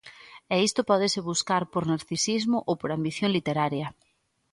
E isto pódese buscar por narcisismo ou por ambición literaria.